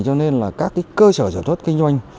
cho nên các cơ sở sản xuất kinh doanh